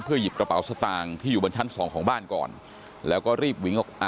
หยิบกระเป๋าสตางค์ที่อยู่บนชั้นสองของบ้านก่อนแล้วก็รีบวิ่งออกอ่า